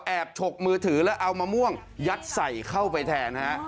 ฉกมือถือแล้วเอามะม่วงยัดใส่เข้าไปแทนฮะ